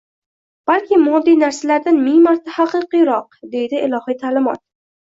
balki moddiy narsalardan ming marta haqiqiyroq, deydi ilohiy ta’limot.